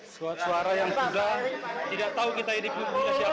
suatu suara yang sudah tidak tahu kita ini belum punya siapa